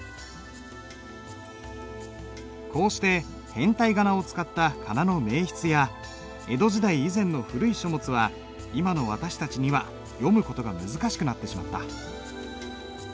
こうして変体仮名を使った仮名の名筆や江戸時代以前の古い書物は今の私たちには読む事が難しくなってしまった。